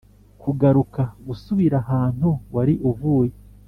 kugaruka: gusubira ahantu wari uvuye